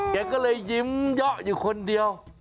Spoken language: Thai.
แกก็เลยยิ้มเยาะอยู่คนเดียว